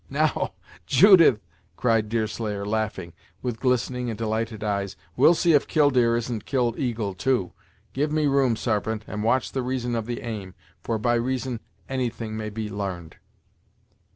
"Now, Judith," cried Deerslayer, laughing, with glistening and delighted eyes, "we'll see if Killdeer isn't Killeagle, too! Give me room Sarpent, and watch the reason of the aim, for by reason any thing may be l'arned."